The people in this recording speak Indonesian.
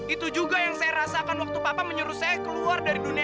itu juga yang saya rasakan waktu papa menyuruh saya keluar dari dunia